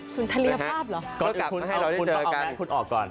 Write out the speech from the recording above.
ศึนธรีภาพหรอเอาแมลกเข้าก่อน